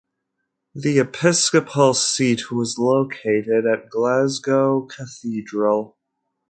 The episcopal seat was located at Glasgow Cathedral.